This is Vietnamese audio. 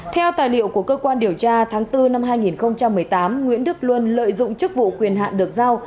theo tài liệu của cơ quan điều tra tháng bốn năm hai nghìn một mươi tám nguyễn đức luân lợi dụng chức vụ quyền hạn được giao